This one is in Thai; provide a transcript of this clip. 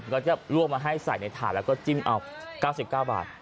ก็จะลวกมาให้ใส่ในถาดแล้วก็จิ้มเอา๙๙บาท